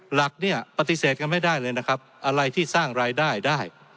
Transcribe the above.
หลักเนี่ยปฏิเสธกันไม่ได้เลยนะครับอะไรที่สร้างรายได้ได้